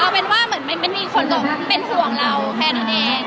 เอาเป็นว่าเหมือนมันมีคนเป็นห่วงเราแรง